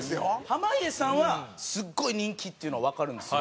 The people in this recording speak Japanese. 濱家さんはすごい人気っていうのはわかるんですよ。